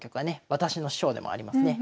私の師匠でもありますね